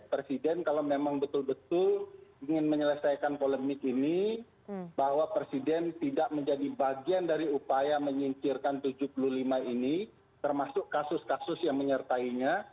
presiden kalau memang betul betul ingin menyelesaikan polemik ini bahwa presiden tidak menjadi bagian dari upaya menyincirkan tujuh puluh lima ini termasuk kasus kasus yang menyertainya